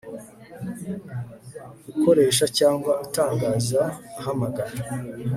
b ukoresha cyangwa utangaza ahamagara